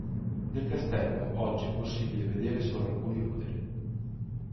Del castello oggi è possibile vedere solo alcuni ruderi.